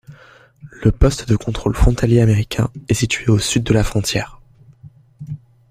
Le poste de contrôle frontalier américain est situé à au sud de la frontière.